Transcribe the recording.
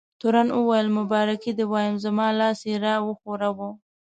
تورن وویل: مبارکي دې وایم، زما لاس یې را وښوراوه.